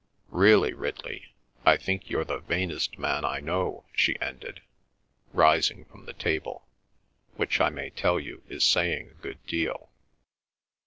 Really, Ridley, I think you're the vainest man I know," she ended, rising from the table, "which I may tell you is saying a good deal."